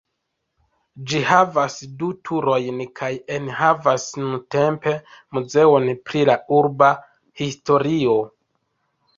Ĝi havas du turojn kaj enhavas nuntempe muzeon pri la urba historio.